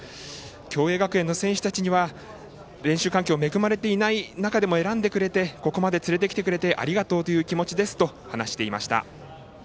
共栄学園の選手たちには練習環境が恵まれていない中でも選んでくれて、ここまで連れてきてくれてありがとうという気持ちですと話していました。